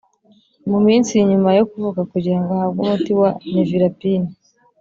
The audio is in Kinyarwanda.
Mu minsi nyuma yo kuvuka kugira ngo ahabwe umuti wa nevirapine